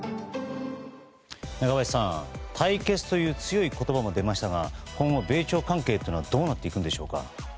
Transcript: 中林さん、対決という強い言葉も出ましたが今後、米朝関係はどうなっていくんでしょうか。